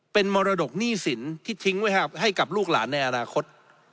เป็นมรดกหนี้สินที่ทิ้งไว้ให้กับลูกหลานในอนาคต